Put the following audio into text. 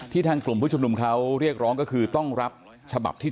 ทางกลุ่มผู้ชุมนุมเขาเรียกร้องก็คือต้องรับฉบับที่๑